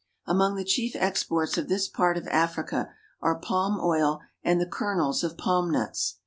Among the chief exports of this part of Africa are palm oil and the kernels of palm nuts.